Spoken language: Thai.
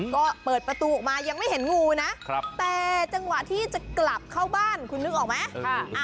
ก็เปิดประตูออกมายังไม่เห็นงูนะแต่จังหวะที่จะกลับเข้าบ้านคุณนึกออกไหม